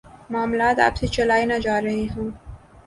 معاملات آپ سے چلائے نہ جا رہے ہوں۔